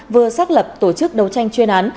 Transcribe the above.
vừa xác lập tổ chức đấu tranh chuyên án